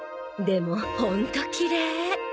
でもホントきれい。